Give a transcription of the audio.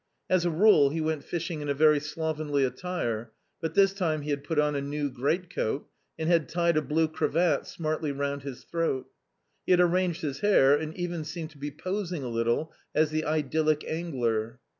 As a rule he went fishing in a very slovenly attire ; but this time he had put on a new great coat, and had tied a blue cravat smartly round his throat ; he had arranged his hair and even seemed to be posing a little as the idyllic angler.